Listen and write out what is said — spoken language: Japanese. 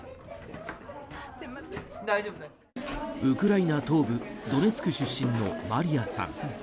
ウクライナ東部ドネツク出身のマリアさん。